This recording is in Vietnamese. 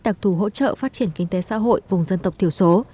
đặc thù hỗ trợ phát triển kinh tế xã hội vùng dân tộc thiểu số